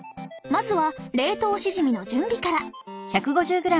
まずは冷凍しじみの準備から。